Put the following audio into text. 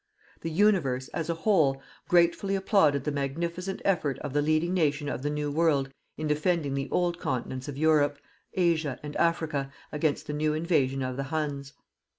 The universe, as a whole, gratefully applauded the magnificent effort of the leading nation of the New World in defending the old continents of Europe, Asia and Africa against the new invasion of the Huns.